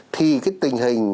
thì cái tình hình